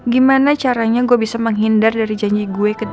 gimana caranya gue bisa menghindar dari janji gue